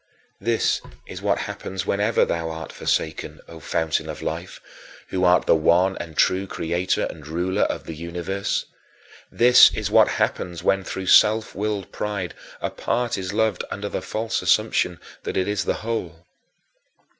This is what happens whenever thou art forsaken, O Fountain of Life, who art the one and true Creator and Ruler of the universe. This is what happens when through self willed pride a part is loved under the false assumption that it is the whole.